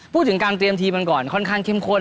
พูดถึงการเตรียมทีมกันก่อนค่อนข้างเข้มข้น